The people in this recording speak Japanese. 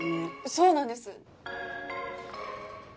そうなんです。